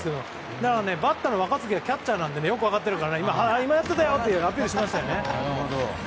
ただ、バッターの若月はキャッチャーなのでよく分かっているからいまやってたよとアピールしましたね。